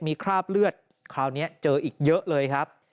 มีคราบเลือดคราวนี้เจออีกเยอะเลยครับ